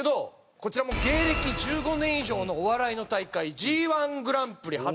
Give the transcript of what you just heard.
こちらも芸歴１５年以上のお笑いの大会Ｇ−１グランプリ初開催。